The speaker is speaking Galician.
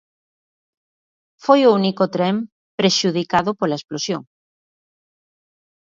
Foi o único tren prexudicado pola explosión.